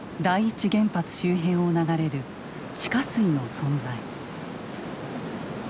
第一原発周辺を流れる地下水の存在。